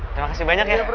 terima kasih banyak ya